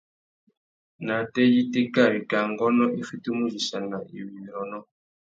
Nātê ya itéka, wikā ngônô i fitimú uyïssana iwí wirrônô.